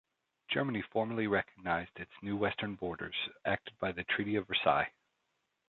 Germany formally recognised its new western borders acted by the Treaty of Versailles.